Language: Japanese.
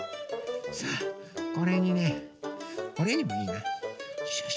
さあこれにねオレンジいいな。